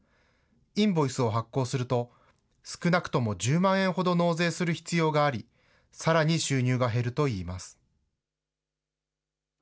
インボイスを発行すると少なくとも１０万円ほど納税する必要があり、さらに収入が減るといいます。